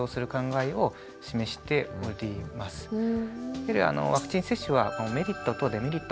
やはりワクチン接種はメリットとデメリット